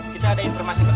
kita ada informasi berikut